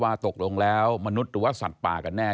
ตกลงแล้วมนุษย์หรือว่าสัตว์ป่ากันแน่